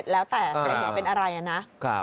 ๔๙๑๔๙๗แล้วแต่จะเป็นอะไรนะ